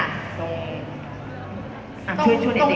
ท้องมือค่ะ